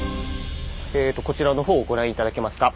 こちらのほうをご覧頂けますか。